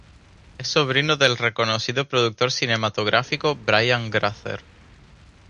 Es sobrino del reconocido productor cinematográfico Brian Grazer.